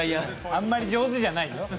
あんまり上手じゃない。